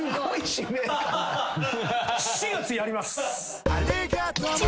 ７月やります！